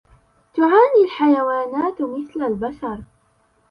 تعاني الحيوانات مثل البشر.